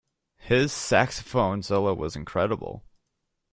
His saxophone solo was incredible.